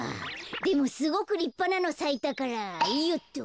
でもすごくりっぱなのさいたからよっと。